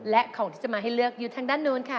และของที่จะมาให้เลือกอยู่ทางด้านโน้นค่ะ